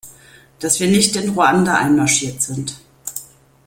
Dass wir nicht in Ruanda einmarschiert sind.